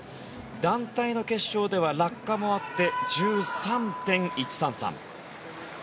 団体の決勝では落下もあって１３．１３３。